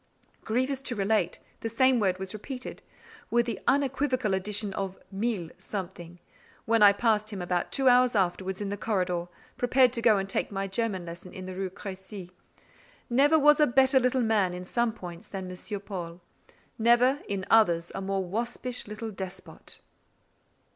Grievous to relate, the same word was repeated, with the unequivocal addition of mille something, when I passed him about two hours afterwards in the corridor, prepared to go and take my German lesson in the Rue Crécy. Never was a better little man, in some points, than M. Paul: never, in others, a more waspish little despot.